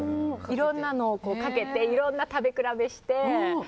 いろんなのをかけていろんな食べ比べをして。